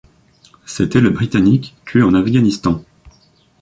C'était le britannique tué en Afghanistan.